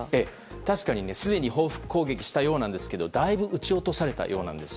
確かにすでに報復攻撃をしたようですがだいぶ撃ち落とされたようです。